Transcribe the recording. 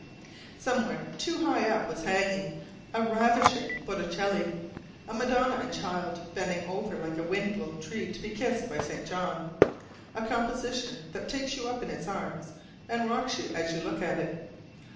Somewhere too high up was hanging a ravishing Botticelli a Madonna and Child bending over like a wind blown tree to be kissed by St. John: a composition that takes you up in its arms and rocks you as you look at it.